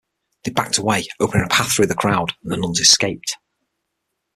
They backed away, opening a path through the crowd, and the nuns escaped.